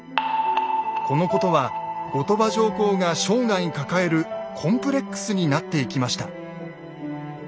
このことは後鳥羽上皇が生涯抱えるコンプレックスになっていきました。